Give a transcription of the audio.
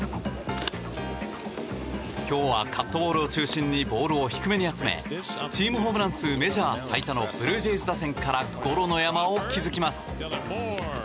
今日はカットボールを中心にボールを低めに集めチームホームラン数メジャー最多のブルージェイズ打線からゴロの山を築きます。